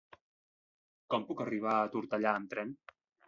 Com puc arribar a Tortellà amb tren?